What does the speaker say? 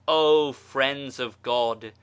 Oh Friends of God !